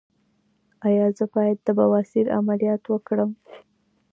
ایا زه باید د بواسیر عملیات وکړم؟